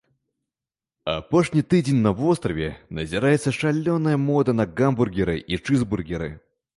Апошні тыдзень на востраве назіраецца шалёная мода на гамбургеры і чызбургеры.